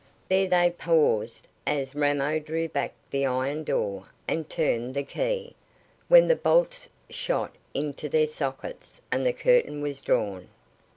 There they paused, as Ramo drew back the iron door and turned the key, when the bolts shot into their sockets, and the curtain was drawn.